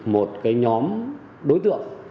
một nhóm đối tượng